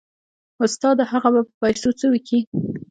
استاده هغه به په پيسو څه وکي.